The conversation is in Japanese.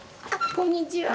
こんにちは。